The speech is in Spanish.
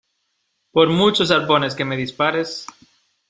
por muchos arpones que me dispares.